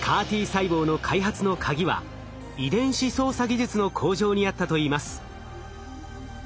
ＣＡＲ−Ｔ細胞の開発のカギは遺伝子操作技術の向上にあったといいます。